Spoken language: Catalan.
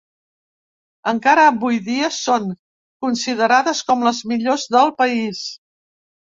Encara avui dia són considerades com les millors del país.